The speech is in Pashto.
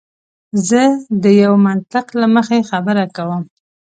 زه د یوه منطق له مخې خبره کوم.